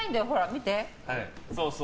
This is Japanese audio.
見て。